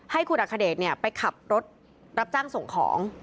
ให้คุณอัคเดชไปขับรถรับจ้างส่งของ